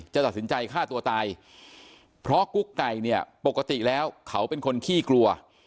จะตัดสินใจฆ่าตัวตายเพราะกุ๊กไก่เนี่ยปกติแล้วเขาเป็นคนขี้กลัว